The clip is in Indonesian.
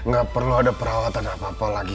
gak perlu ada perawatan apa apa lagi